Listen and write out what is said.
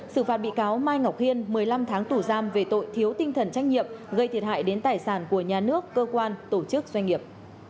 xử phạt bị cáo mai ngọc hiên một mươi năm tháng tù giam về tội thiếu tinh thần trách nhiệm gây thiệt hại đến tài sản của nhà nước cơ quan tổ chức doanh nghiệp